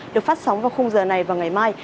được phát sóng vào khung giờ này vào ngày mai